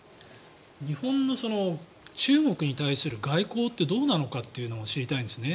日本の中国に対する外交ってどうなのかっていうのを知りたいんですね。